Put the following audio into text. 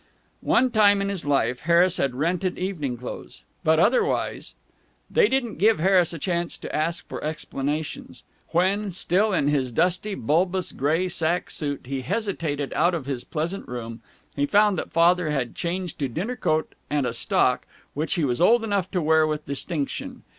One time in his life, Harris had rented evening clothes, but otherwise They didn't give Harris a chance to ask for explanations. When, still in his dusty bulbous gray sack suit, he hesitated out of his pleasant room, he found that Father had changed to dinner coat and a stock, which he was old enough to wear with distinction.